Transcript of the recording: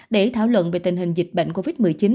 để thảo luận về tình hình dịch bệnh covid một mươi chín